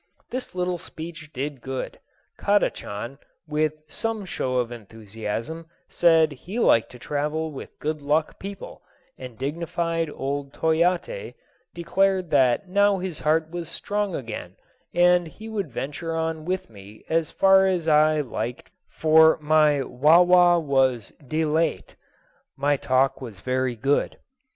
This little speech did good. Kadachan, with some show of enthusiasm, said he liked to travel with good luck people; and dignified old Toyatte declared that now his heart was strong again, and he would venture on with me as far as I liked for my "wawa" was "delait" (my talk was very good).